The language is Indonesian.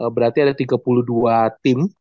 berarti ada tiga puluh dua tim